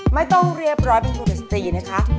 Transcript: ไม่ต้องเรียบร้อยเป็นโปรดสตรีนะคะ